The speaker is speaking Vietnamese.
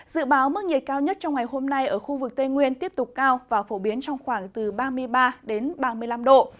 dự báo mức nhiệt cao nhất trong ngày hôm nay ở khu vực tây nguyên tiếp tục cao và phổ biến trong khoảng từ ba mươi ba đến ba mươi năm độ